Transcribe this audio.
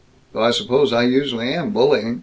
Though I suppose I usually am bullying.